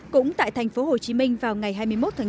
cũng tại tp hcm vào ngày hai mươi tháng